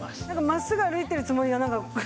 真っすぐ歩いてるつもりがなんか。